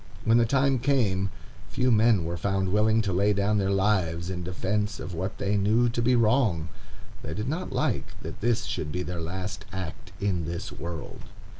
When the time came, few men were found willing to lay down their lives in defence of what they knew to be wrong; they did not like that this should be their last act in this world.